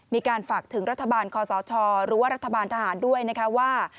มีการฝากถึงรัฐบาลคอสชหรือว่ารัฐบาลทหารด้วยนะคะว่า